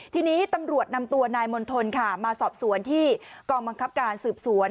ทีนี้ตำรวจนำตัวนายมณฑลค่ะมาสอบสวนที่กองบังคับการสืบสวน